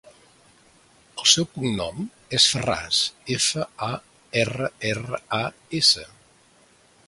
El seu cognom és Farras: efa, a, erra, erra, a, essa.